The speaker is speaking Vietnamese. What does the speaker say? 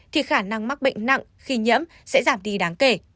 thì khả năng mắc bệnh nặng khi nhiễm sẽ giảm đi đáng kể